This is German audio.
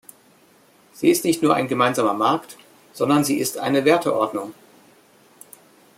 Sie ist nicht nur ein gemeinsamer Markt, sondern sie ist eine Werteordnung.